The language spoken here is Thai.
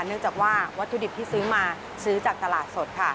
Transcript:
เนื่องจากว่าวัตถุดิบที่ซื้อมาซื้อจากตลาดสดค่ะ